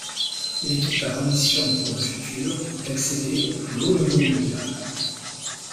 L'équipe a l'ambition pour le futur d'accéder au plus haut niveau mondial.